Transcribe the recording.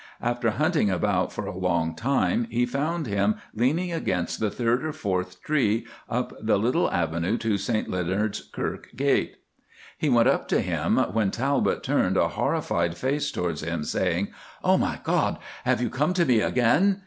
After hunting about for a long time, he found him leaning against the third or fourth tree up the little avenue to St Leonards kirk gate. He went up to him, when Talbot turned a horrified face towards him, saying, "Oh, my God, have you come to me again?"